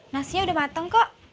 nasinya udah mateng kok